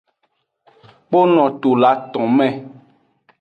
Kpono to le aton me.